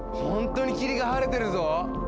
ほんとに霧が晴れてるぞ！